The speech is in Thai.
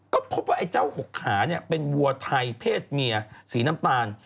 ก็พบว่าไอ้เจ้าหกขาเนี่ยเป็นวัวไทยเพศเมียสีน้ำตาล